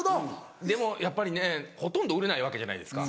でもやっぱりねほとんど売れないわけじゃないですか。